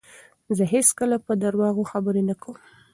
زه هیڅکله په درواغو خبرې نه کوم.